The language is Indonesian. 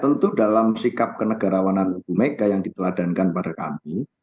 tentu dalam sikap kenegarawanan ibu mega yang diteladankan pada kami